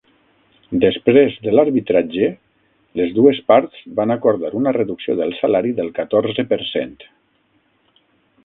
Després de l'arbitratge, les dues parts van acordar una reducció de salari del catorze per cent.